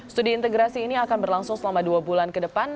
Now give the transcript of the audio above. studi integrasi ini akan berlangsung selama dua bulan ke depan